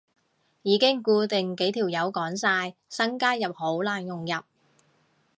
已經固定幾條友講晒，新加入好難融入